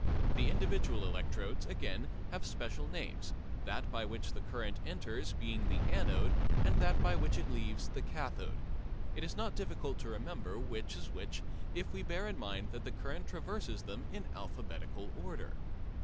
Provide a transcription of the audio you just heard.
The individual electrodes, again, have special names, that by which the current enters being the anode and that by which it leaves the cathode. It is not difficult to remember which is which if we bear in mind that the current traverses them in alphabetical order.